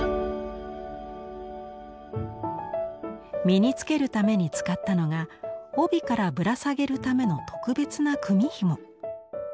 身に着けるために使ったのが帯からぶら下げるための特別な組みひも。